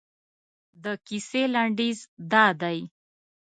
د کیسې لنډیز دادی.